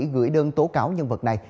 gửi đơn tố cáo nhân vật này